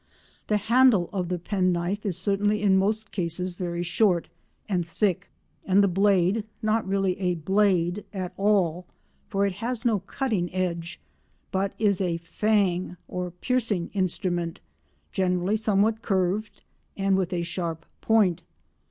The handle of the penknife is certainly in most cases very short and thick, and the blade not really a blade at all, for it has no cutting edge, but is a "fang" or piercing instrument generally somewhat curved, and with a sharp point.